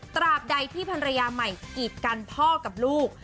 ตราบใดที่ภรรยาใหม่กีดกันพ่อกับลูก